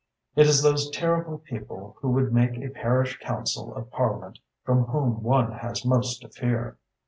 It is those terrible people who would make a parish council of Parliament from whom one has most to fear."